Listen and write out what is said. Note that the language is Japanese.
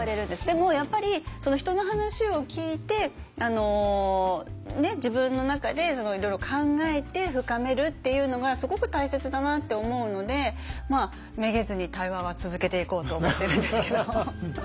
でもやっぱり人の話を聞いてあの自分の中でいろいろ考えて深めるっていうのがすごく大切だなって思うのでめげずに対話は続けていこうと思ってるんですけど。